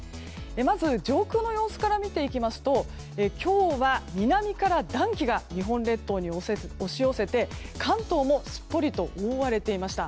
まず、上空からの様子から見ていきますと今日は南から暖気が日本列島に押し寄せて関東もすっぽりと覆われていました。